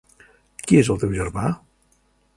Qui és el teu germà?